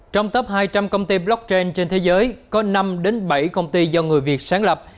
trong top hai trăm linh công ty blockchain trên thế giới có năm bảy công ty do người việt sáng lập